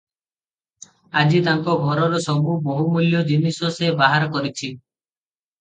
ଆଜି ତାଙ୍କ ଘରର ସବୁ ବହୁ ମୂଲ୍ୟ ଜିନିଶ ସେ ବାହାର କରିଚି ।